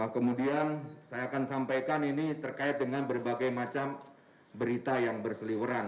kemudian saya akan sampaikan ini terkait dengan berbagai macam berita yang berseliweran